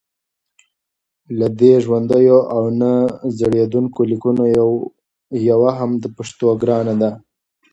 له دې ژوندیو او نه زړېدونکو لیکونو یوه هم د پښتو ګرانه ده